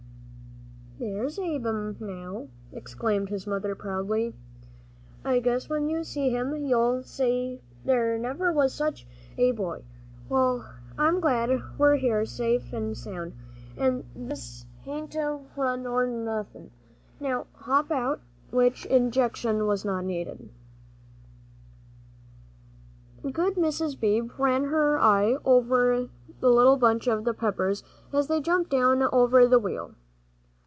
"There's Ab'm, now," exclaimed his mother, proudly. "I guess when you see him you'll say there never was sech a boy. Well, I'm glad we're here safe an' sound, an' this horse hain't run nor nothin'. Now, hop out," which injunction was not needed. Good Mrs. Beebe ran her eye over the little bunch of Peppers as they jumped down over the wheel.